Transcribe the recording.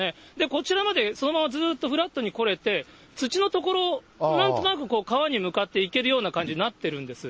こちらまでそのままずっとフラットに来れて、土の所、なんとなく、川に向かって行けるような感じになってるんです。